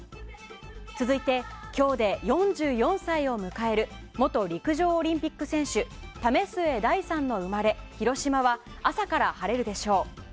続いて、今日で４４歳を迎える元陸上オリンピック選手為末大さんの生まれ、広島は朝から晴れるでしょう。